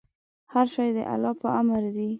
هر شی د الله په امر دی.